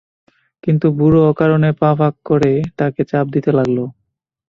কিন্তু বুড়ো অকারণে পা ফাঁক করে তাঁকে চাপ দিতে লাগল।